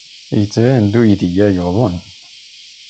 Yettban-d uydi-a yuḍen.